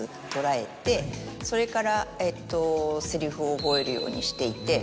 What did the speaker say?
それからセリフを覚えるようにしていて。